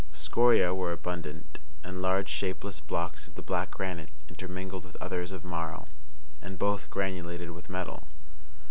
Scoria were abundant, and large shapeless blocks of the black granite, intermingled with others of marl, {*6} and both granulated with metal.